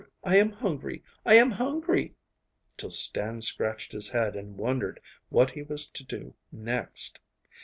I am hungry I am hungry,' till Stan scratched his head and wondered what he was to do next.